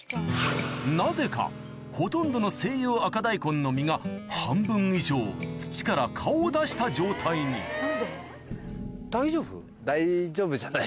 なぜかほとんどの西洋赤大根の身が半分以上土から顔を出した状態にえっ！